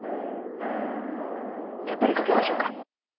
やっぱりかけましょうか。